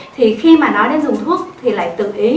thì khi mà nói đến dùng thuốc thì lại tự ý